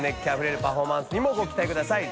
佞譴パフォーマンスにもご期待ください。